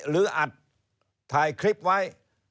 หรืออัดถ่ายคลิปไว้